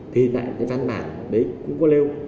thì lại cái văn bản đấy cũng có lêu